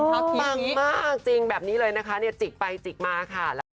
รองเท้าทีพิกแบบนี้เลยนะคะจิกไปจิกมาค่ะ